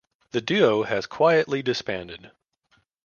The duo has quietly disbanded.